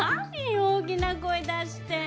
大きな声出して。